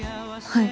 はい。